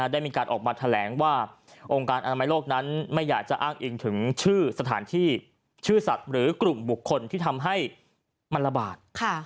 ได้มีการออกมาแถลงว่าองค์การอนามัยโลกนั้นไม่อยากจะอ้างอิงถึงชื่อสถานที่ชื่อสัตว์หรือกลุ่มบุคคลที่ทำให้มันระบาด